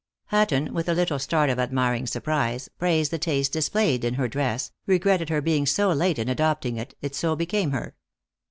Hatton, with a little start of admiring surprise, praised the taste displayed in her dress, regretted her being so late in adopting it, it so became her.